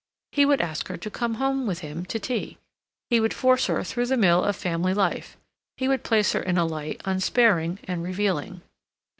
He would ask her to come home with him to tea. He would force her through the mill of family life; he would place her in a light unsparing and revealing.